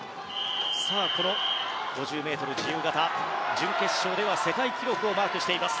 この５０ｍ自由形準決勝では世界記録をマークしています。